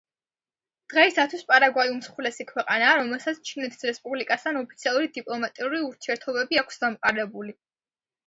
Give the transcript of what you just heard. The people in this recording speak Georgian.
დღეისათვის, პარაგვაი უმსხვილესი ქვეყანაა, რომელსაც ჩინეთის რესპუბლიკასთან ოფიციალური დიპლომატიური ურთიერთობები აქვს დამყარებული.